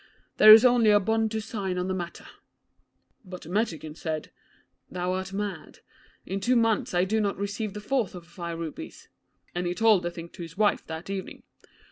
There is only a bond to sign on the matter." But the mendicant said, "Thou art mad. In two months I do not receive the worth of five rupees," and he told the thing to his wife that evening.